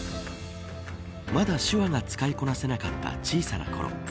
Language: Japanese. まだ手話が使いこなせなかった小さなころ